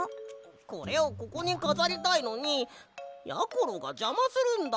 これをここにかざりたいのにやころがじゃまするんだ！